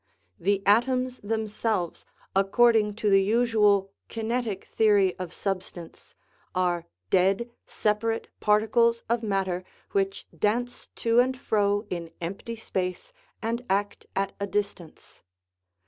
The atoms themselves, according to the usual " kinetic theory of substance," are dead, separate particles of matter, which dance to and fro in empty space and act at a distance.